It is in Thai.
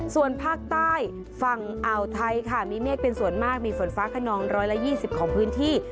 ส่วนภาคใต้ฝั่งอ่าวไทยค่ะมีเมฆเป็นส่วนมากมีฝนฟ้าขนอง๑๒๐ของพื้นที่